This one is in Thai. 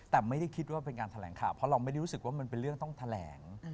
แต่ไม่ได้คิดว่าเป็นการแถลงข่าวเพราะเราไม่ได้รู้สึกว่ามันเป็นเรื่องต้องแถลง